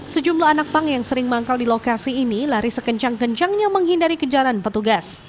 sejumlah anak pang yang sering manggal di lokasi ini lari sekencang kencangnya menghindari kejalan petugas